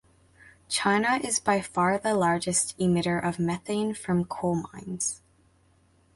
China is by far the largest emitter of methane from coal mines.